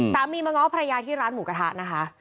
สามีมาง้อภรรยาที่ร้านหมูกระทะนะคะ